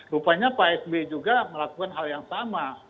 rupanya pak sby juga melakukan hal yang sama